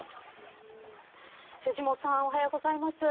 瀬下さんおはようございます。